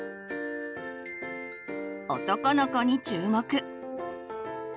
男の子に注目。